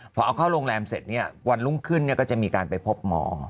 พอเอาเข้าโรงแรมเสร็จเนี่ยวันรุ่งขึ้นก็จะมีการไปพบหมอ